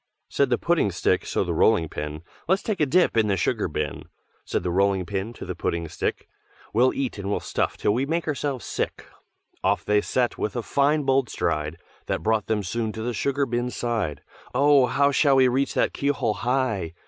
_ Said the Pudding stick so the Rolling pin, "Let's take a dip in the sugar bin!" Said the Rolling pin to the Pudding stick, "We'll eat and we'll stuff till we make ourselves sick." Off they set with a fine bold stride, That brought them soon to the sugar bin's side. "Oh! how shall we reach that keyhole high?